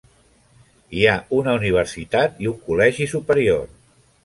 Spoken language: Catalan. Hi ha una universitat i un col·legi superior.